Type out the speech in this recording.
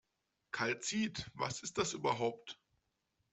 Kalzit, was ist das überhaupt?